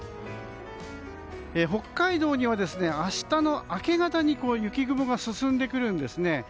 北海道には明日の明け方に雪雲が進んでくるんですね。